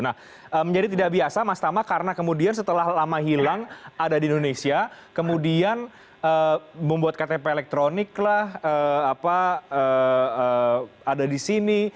nah menjadi tidak biasa mas tama karena kemudian setelah lama hilang ada di indonesia kemudian membuat ktp elektronik lah apa ada di sini